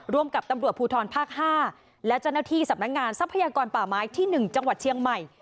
กับตำรวจภูทรภาค๕และเจ้าหน้าที่สำนักงานทรัพยากรป่าไม้ที่๑จังหวัดเชียงใหม่